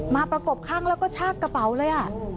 มาประกบข้างแล้วก็กระชากกระเป๋าเลยอะ